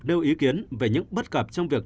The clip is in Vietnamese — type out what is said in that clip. nêu ý kiến về những bất cập trong việc